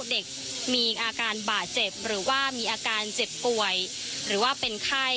เด็กมีอาการบาดเจ็บหรือว่ามีอาการเจ็บป่วยหรือว่าเป็นไข้